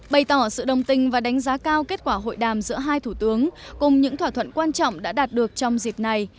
bày tỏ sự đồng tình và đánh giá cao kết quả hội đàm giữa hai thủ tướng cùng những thỏa thuận quan trọng đã đạt được trong dịp này